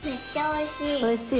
おいしい？